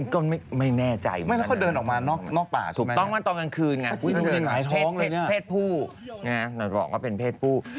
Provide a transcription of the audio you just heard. ก็ไม่แน่ใจมากนั้นถูกต้องว่าตอนกลางคืนไงเพศผู้เนี่ยหน่อยบอกว่าเป็นเพศผู้